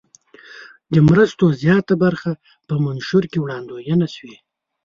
د مرستو زیاته برخه په منشور کې وړاندوینه شوې.